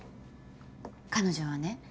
彼女はね